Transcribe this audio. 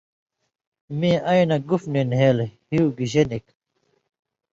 مِیں اَیں نہ گُف نی نھېل ہؤں، گِشے نِک؟